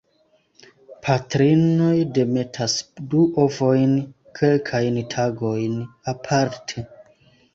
Patrinoj demetas du ovojn, kelkajn tagojn aparte.